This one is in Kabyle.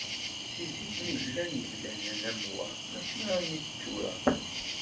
Seg zik mi llan yimdanen am wa mačči armi d tura.